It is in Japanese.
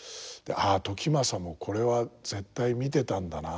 「ああ時政もこれは絶対見てたんだな」